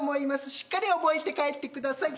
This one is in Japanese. しっかり覚えて帰ってください。